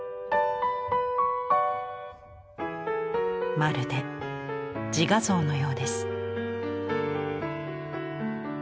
まるで自画像のようです。